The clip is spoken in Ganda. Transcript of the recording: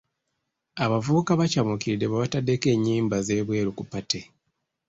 Abavubuka baakyamuukiridde bwe baataddeeko ennyimba z'ebweru ku party.